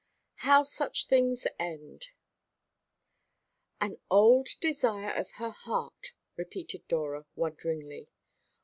HOW SUCH THINGS END. "An old desire of her heart," repeated Dora wonderingly.